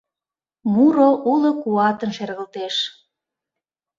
Муро уло куатын шергылтеш.